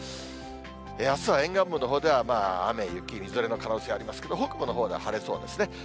あすは沿岸部のほうでは雨、雪、みぞれの可能性ありますけど、北部のほうは晴れそうですね。